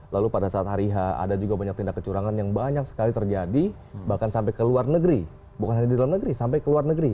lalu pada saat hari ada juga banyak tindak kecurangan yang banyak sekali terjadi bahkan sampai ke luar negeri bukan hanya di dalam negeri sampai ke luar negeri